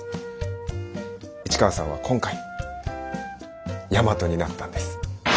市川さんは今回大和になったんです。